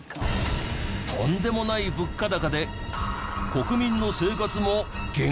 とんでもない物価高で国民の生活も限界寸前？